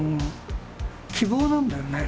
希望なんだよね。